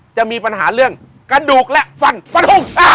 จะมีปัญหาเรื่องกระดูกและฟันฟันทง